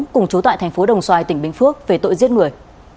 cùng chú tại thành phố đồng xoài tỉnh bình phước về tội giết người